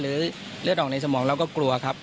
เลือดออกในสมองเราก็กลัวครับ